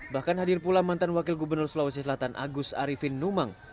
bahkan hadir pula mantan wakil gubernur sulawesi selatan agus arifin numang